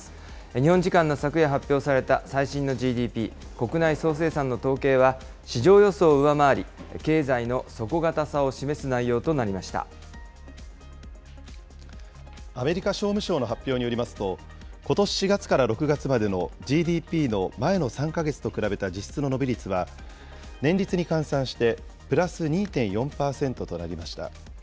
日本時間の昨夜発表された最新のＧＤＰ・国内総生産の統計は、市場予想を上回り、経済の底堅さをアメリカ商務省の発表によりますと、ことし４月から６月までのＧＤＰの前の３か月と比べた実質の伸び率は、年率に換算してプラス２．４％となりました。